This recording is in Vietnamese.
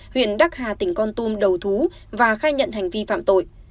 huyện đắc hà tỉnh con tum đầu thú và khai nhận hành vi phạm tội